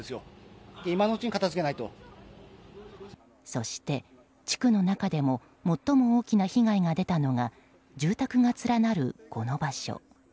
そして、地区の中でも最も大きな被害が出たのが住宅が連なる、この場所。